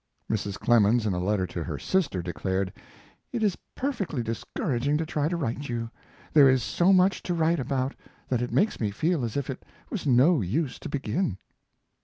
Mrs. Clemens, in a letter to her sister, declared: "It is perfectly discouraging to try to write you. There is so much to write about that it makes me feel as if it was no use to begin."